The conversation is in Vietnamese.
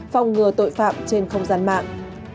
phòng ngừa tội phạm trên không gian mạng